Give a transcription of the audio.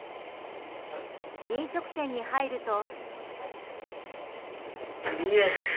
飲食店に入ると。